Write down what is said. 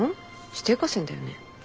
指定河川だよね？